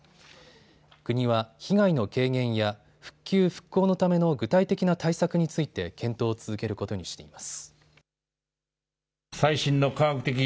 国は被害の軽減や復旧・復興のための具体的な対策について検討を続けることにしています。